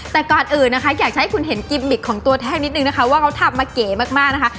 แต่ก่อนอื่นนะคะอยากจะให้คุณเห็นกิมมิกของตัวแท่งนิดนึงนะคะว่าเขาทำมาเก๋มากนะคะ